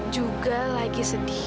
juga lagi sedih